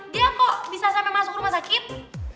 dia kok bisa sampai masuk rumah sakit